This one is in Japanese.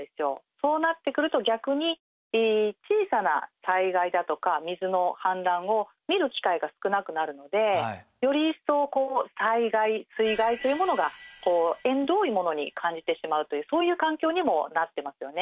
そうなってくると逆に小さな災害だとか水の氾濫を見る機会が少なくなるのでより一層こう災害水害というものが縁遠いものに感じてしまうというそういう環境にもなってますよね。